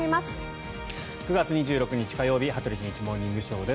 ９月２６日、火曜日「羽鳥慎一モーニングショー」。